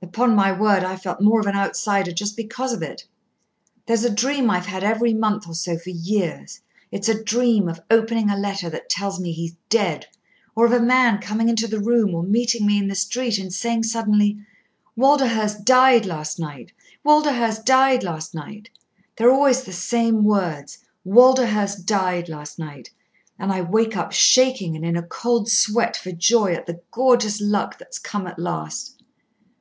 Upon my word, I've felt more of an outsider just because of it. There's a dream I've had every month or so for years. It's a dream of opening a letter that tells me he's dead, or of a man coming into the room or meeting me in the street and saying suddenly, 'Walderhurst died last night, Walderhurst died last night!' They're always the same words, 'Walderhurst died last night!' And I wake up shaking and in a cold sweat for joy at the gorgeous luck that's come at last."